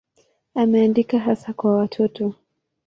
Ameandika hasa kwa watoto.